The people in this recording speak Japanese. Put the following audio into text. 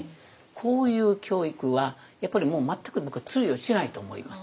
こういう教育はやっぱりもう全く僕は通用しないと思います。